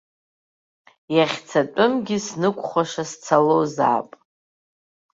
Иахьцатәымгьы снықәхәаша сцалозаап.